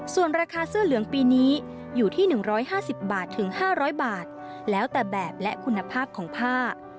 ส่วนราคาเสื้อเหลืองปีนี้อยู่ที่๑๕๐บาทถึง๕๐๐บาทแล้วแต่แบบและคุณภาพของผ้า